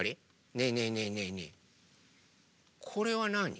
ねえねえねえねえねえこれはなに？